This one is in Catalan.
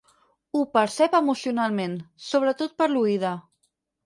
Ho percep emocionalment, sobretot per l'oïda.